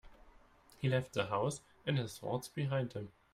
He left the house and his thoughts behind him.